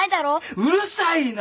うるさいな。